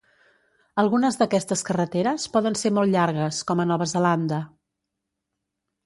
Algunes d'aquestes carreteres poden ser molt llargues, com a Nova Zelanda.